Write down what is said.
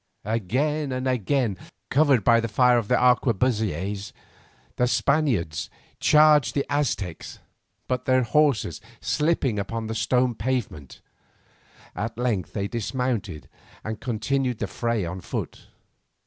Again and again, covered by the fire of the arquebusiers, the Spaniards charged the Aztecs, but their horses slipping upon the stone pavement, at length they dismounted and continued the fray on foot.